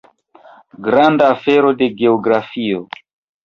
Granda afero la geografio!